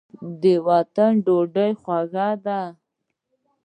د وطن ډوډۍ خوږه ده.